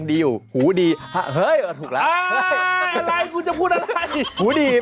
เจ๊นไง